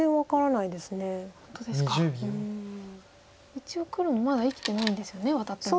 一応黒もまだ生きてないんですよねワタっても。